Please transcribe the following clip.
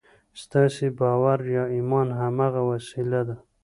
ستاسې باور يا ايمان هماغه وسيله ده.